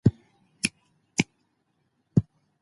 احمد افغانستان ته پناه وړي .